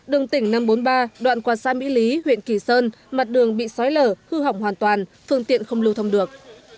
đường tỉnh năm trăm bốn mươi ba đoạn qua xã mỹ lý huyện kỳ sơn mặt đường bị sói lở hư hỏng hoàn toàn phương tiện không lưu thông được